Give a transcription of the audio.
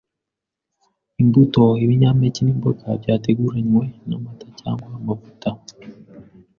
imbuto, ibinyampeke, n’imboga” byateguranywe n’ “amata cyangwa amavuta.